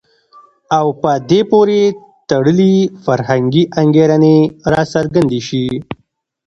او په دې پورې تړلي فرهنګي انګېرنې راڅرګندې شي.